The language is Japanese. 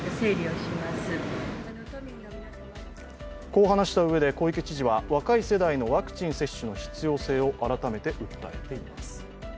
こう話したうえで小池知事は若い世代のワクチン接種の必要性を改めて訴えています。